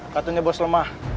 katanya bos lemah